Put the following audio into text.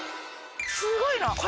すごいの！